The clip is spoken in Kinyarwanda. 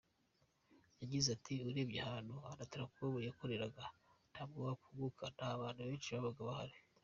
Yagize ati “Urebye ahantu Onatracom yakoreraga ntabwo wakunguka, nta bantu benshi babaga bahari.